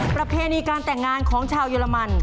ประเพณีการแต่งงานของชาวเยอรมัน